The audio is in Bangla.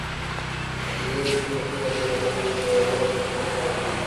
নিজের তিন বছরের দায়িত্বকালে ভারতের বিরুদ্ধে বরাবরই কঠোর অবস্থানে ছিলেন রাহিল শরিফ।